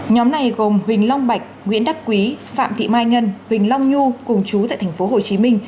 nhóm này gồm huỳnh long bạch nguyễn đắc quý phạm thị mai ngân huỳnh long nhu cùng chú tại tp hcm